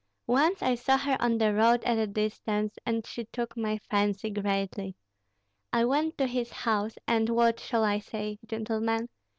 Once I saw her on the road at a distance, and she took my fancy greatly. I went to his house, and what shall I say, gentlemen?